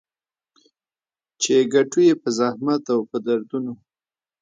چي ګټو يې په زحمت او په دردونو